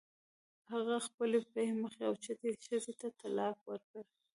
هغه خپلې پی مخې او چټې ښځې ته طلاق ورکړ.